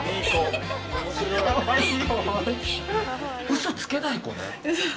嘘つけない子ね。